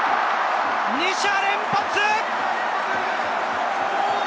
２者連発！